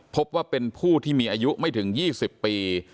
พบว่าเป็นผู้ที่มีอายุไม่ถึง๒๐ปี